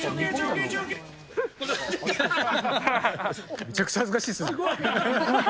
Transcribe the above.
めちゃくちゃ恥ずかしいですね。